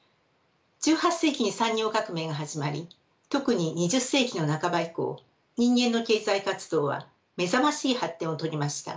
１８世紀に産業革命が始まり特に２０世紀の半ば以降人間の経済活動は目覚ましい発展を遂げました。